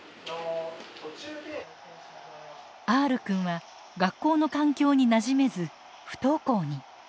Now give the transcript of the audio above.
Ｒくんは学校の環境になじめず不登校に。